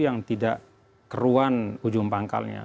yang tidak keruan ujung pangkalnya